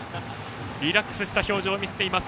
リラックスした表情を見せます。